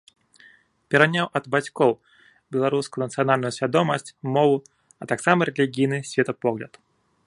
Пераняў ад бацькоў беларускую нацыянальную свядомасць, мову, а таксама рэлігійны светапогляд.